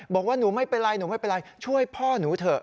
บอกว่าหนูไม่เป็นไรช่วยพ่อนูเถอะ